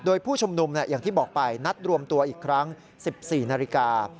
โดยผู้ชุมนุมอย่างที่บอกไปนัดรวมตัวอีกครั้ง๑๔นาฬิกา